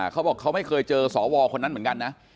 เขาบอกเขาไม่เคยเจอสวคนนั้นเหมือนกันนะ